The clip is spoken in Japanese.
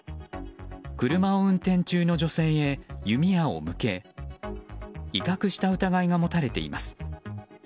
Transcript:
車を運転中の女性は弓矢を向け威嚇した疑いが持たれています。